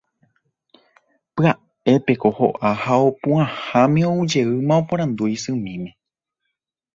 pya'épeko ho'a ha opu'ãháme oujeýma oporandu isymíme.